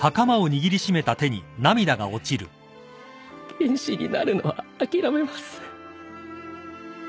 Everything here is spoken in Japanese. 剣士になるのは諦めます。